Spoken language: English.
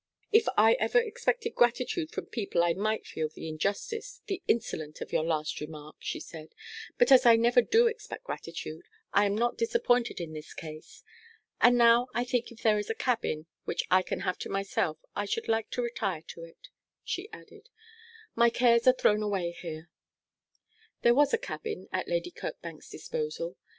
'If I ever expected gratitude from people I might feel the injustice the insolence of your last remark,' she said; 'but as I never do expect gratitude, I am not disappointed in this case. And now I think if there is a cabin which I can have to myself I should like to retire to it,' she added. 'My cares are thrown away here.' There was a cabin at Lady Kirkbank's disposal.